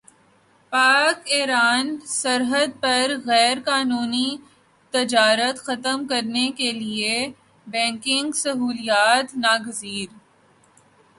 پاک ایران سرحد پر غیرقانونی تجارت ختم کرنے کیلئے بینکنگ سہولیات ناگزیر